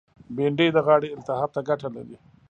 بېنډۍ د غاړې التهاب ته ګټه لري